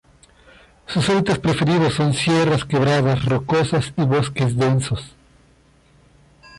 Sus hábitats preferidos son sierras, quebradas rocosas, y bosques densos.